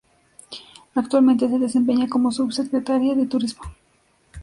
Actualmente se desempeña como subsecretaria de Turismo.